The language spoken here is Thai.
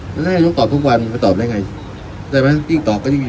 ได้โดยตอบทุกวันตอบได้ไงใช่มั้ยติดเกาะก็ยังมี